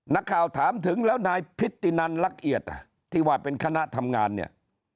นักข่าวถามถึงแล้วนายพิธีนันลักเอียดที่ว่าเป็นคณะทำงานเนี่ย